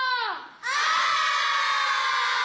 お！